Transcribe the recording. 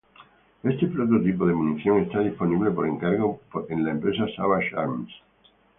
Este prototipo de munición está disponible por encargo, en la empresa Savage Arms.